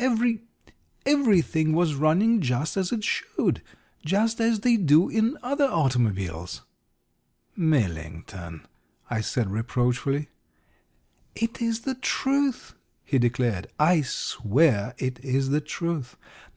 Every everything was running just as it should just as they do in other automobiles." "Millington!" I said reproachfully. "It is the truth!" he declared. "I swear it is the truth.